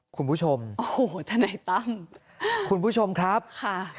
คุณผู้ชมโอ้โหทนายตั้มคุณผู้ชมครับค่ะ